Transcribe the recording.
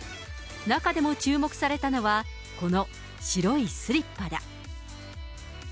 中でも注目されたのは、この白いスリッパだ。